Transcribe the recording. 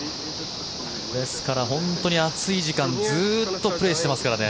ですから、本当に暑い時間ずっとプレーしていますからね。